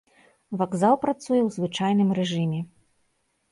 Вакзал працуе ў звычайным рэжыме.